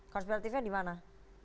konspiratifnya di mana